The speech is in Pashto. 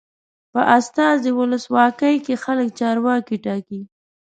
په استازي ولسواکۍ کې خلک چارواکي ټاکي.